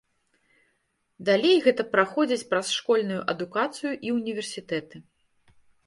Далей гэта праходзіць праз школьную адукацыю і ўніверсітэты.